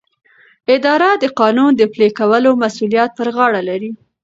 اداره د قانون د پلي کولو مسؤلیت پر غاړه لري.